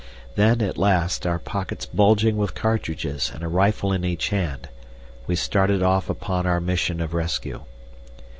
Then, at last, our pockets bulging with cartridges and a rifle in each hand, we started off upon our mission of rescue.